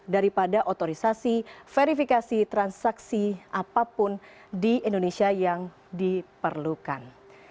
daripada otorisasi verifikasi transaksi apapun di indonesia yang diperlukan